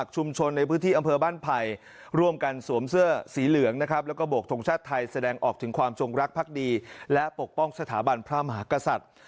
คุณพุทธศาสตร์อำเภาบ้านศิลป์พระมหากษัตริย์